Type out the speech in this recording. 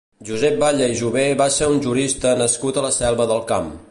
Josep Batlle i Jover va ser un jurista nascut a la Selva del Camp.